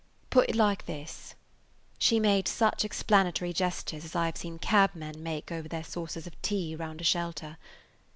"Put it like this." She made such explanatory gestures as I have seen cabmen make over their saucers of tea round a shelter.